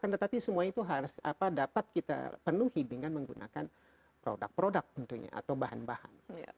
tetapi semua itu harus dapat kita penuhi dengan menggunakan produk produk tentunya atau bahan bahan